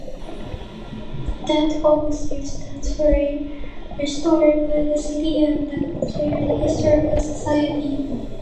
That home still stands, fully restored by the city and the Ceres Historical Society.